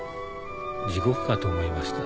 地獄かと思いました。